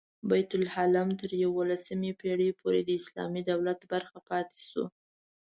بیت لحم تر یوولسمې پېړۍ پورې د اسلامي دولت برخه پاتې شو.